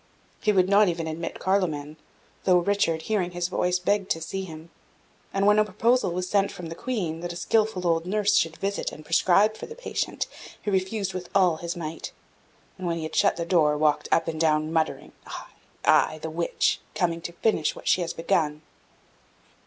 He would not even admit Carloman, though Richard, hearing his voice, begged to see him; and when a proposal was sent from the Queen, that a skilful old nurse should visit and prescribe for the patient, he refused with all his might, and when he had shut the door, walked up and down, muttering, "Ay, ay, the witch! coming to finish what she has begun!"